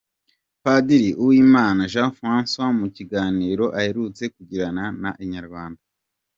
Padiri Uwimana Jean Francois mu kiganiro aherutse kugirana na Inyarwanda.